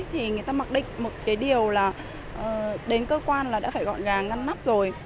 thì người ta mặc định một cái điều là đến cơ quan là đã phải gọn gàng ngăn nắp rồi